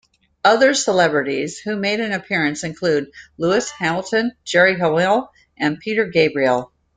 Other celebrities who made an appearance include Lewis Hamilton, Geri Halliwell and Peter Gabriel.